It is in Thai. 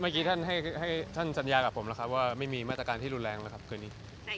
เมื่อกี้ท่านให้ท่านสัญญากับผมแล้วครับว่าไม่มีมาตรการที่รุนแรงแล้วครับคืนนี้